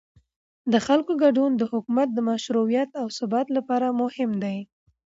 د خلکو ګډون د حکومت د مشروعیت او ثبات لپاره مهم دی